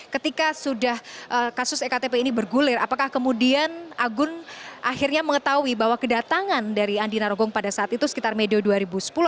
ketika sudah kasus ektp ini bergulir apakah kemudian agun akhirnya mengetahui bahwa kedatangan dari andina rogo pada saat itu sekitar medio dua ribu sepuluh atau dua ribu sebelas ini berkaitan dengan korupsi ektp